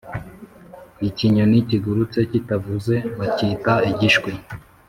Ikinyoni kigurutse kitavuze bacyita igishwi.